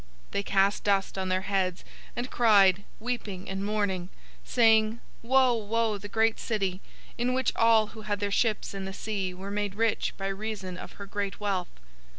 018:019 They cast dust on their heads, and cried, weeping and mourning, saying, 'Woe, woe, the great city, in which all who had their ships in the sea were made rich by reason of her great wealth!'